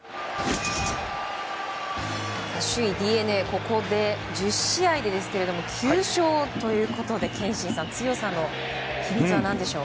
首位ＤｅＮＡここで１０試合ですけれども９勝ということで、憲伸さん強さの秘密は何でしょう？